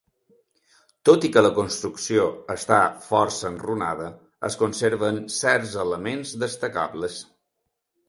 Tot i que la construcció està força enrunada es conserven certs elements destacables.